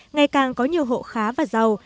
ngày càng có nhiều hộ khá và giàu